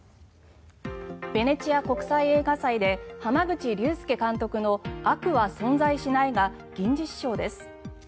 ベネチア国際映画祭で濱口竜介監督の「悪は存在しない」が銀獅子賞です。